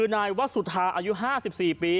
นายวสุธาอายุ๕๔ปี